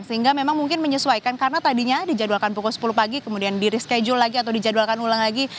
sehingga memang mungkin menyesuaikan karena tadinya dijadwalkan pukul sepuluh pagi kemudian di reschedule lagi atau dijadwalkan ulang lagi